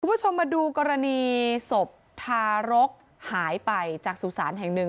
คุณผู้ชมมาดูกรณีศพทารกหายไปจากสุสานแห่งหนึ่ง